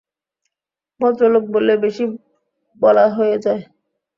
ভদ্রলোক বললে বেশি বলা হয়ে যায়।